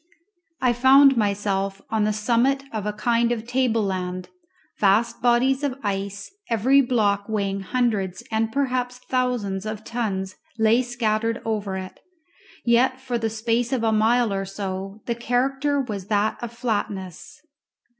I found myself on the summit of a kind of table land; vast bodies of ice, every block weighing hundreds and perhaps thousands of tons lay scattered over it; yet for the space of a mile or so the character was that of flatness.